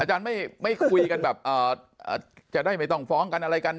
อาจารย์ไม่คุยกันแบบจะได้ไม่ต้องฟ้องกันอะไรกัน